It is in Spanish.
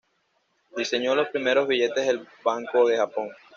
Diseñó los primeros billetes del banco de Japón.